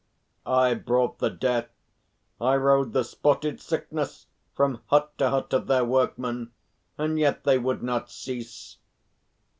"I brought the death; I rode the spotted sick ness from hut to hut of their workmen, and yet they would not cease."